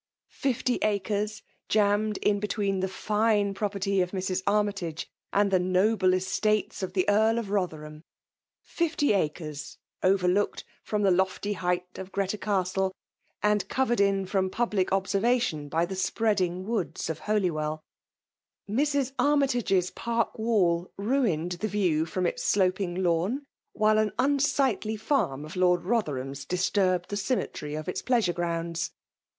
Fifty acres» jammed in between the fine property of Mra. Armytage and the noble estates of the Ead of Botherham. Fifty acres, overlooked from the lofty height of Greta Castle, and covered in &om public observation by the spreading woods of Holywell Mrs. Armytage's park wall ruined the view from its sloping lawn» while an unsightly farm of Lord Botherbam's disturbed the symmetry of its pleasure grounds.